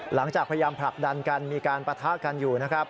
หลังจากพยายามผลักดันกันมีการปะทะกันอยู่นะครับ